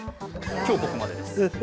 今日はここまでです。